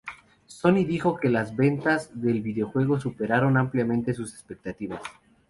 Sony dijo que las ventas del videojuego superaron ampliamente sus expectativas.